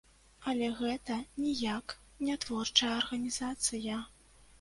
Але гэта ніяк не творчая арганізацыя.